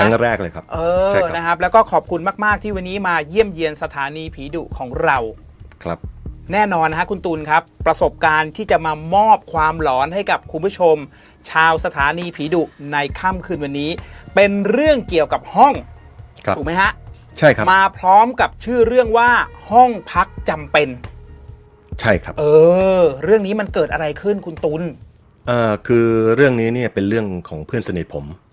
ครั้งแรกเลยครับเออนะครับแล้วก็ขอบคุณมากที่วันนี้มาเยี่ยมเยี่ยมสถานีผีดุของเราครับแน่นอนนะครับคุณตุ้นครับประสบการณ์ที่จะมามอบความหลอนให้กับคุณผู้ชมชาวสถานีผีดุในค่ำคืนวันนี้เป็นเรื่องเกี่ยวกับห้องถูกไหมครับใช่ครับมาพร้อมกับชื่อเรื่องว่าห้องพักจำเป็นใช่ครับเออเรื่องนี้มันเกิดอะไรขึ้นคุณต